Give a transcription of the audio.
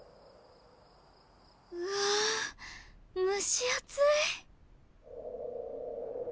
うわ蒸し暑い。